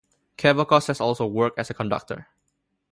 Kavakos has also worked as a conductor.